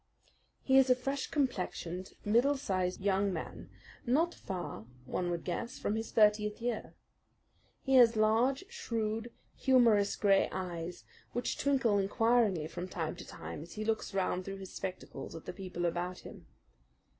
He is a fresh complexioned, middle sized young man, not far, one would guess, from his thirtieth year. He has large, shrewd, humorous gray eyes which twinkle inquiringly from time to time as he looks round through his spectacles at the people about him.